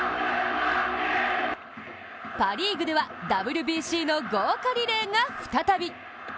パ・リーグではＷＢＣの豪華リレーが再び。